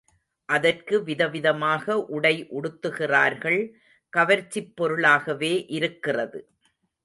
அதற்கு விதவிதமாக உடை உடுத்துகிறார்கள் கவர்ச்சிப் பொருளாகவே இருக்கிறது.